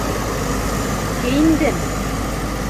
Кейендем.